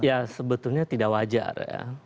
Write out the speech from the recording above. ya sebetulnya tidak wajar ya